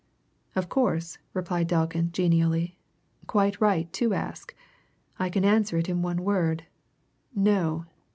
"Of course," replied Delkin genially. "Quite right to ask. I can answer it in one word. No!